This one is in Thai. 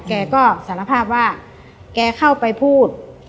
แกก็สารภาพว่าแกเข้าไปพูด